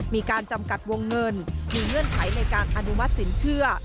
มีการจำกัดวงเงินมีเงื่อนไขในการอนุมัติสินเชื่อ